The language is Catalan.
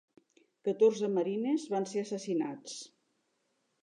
Catorze marines van ser assassinats.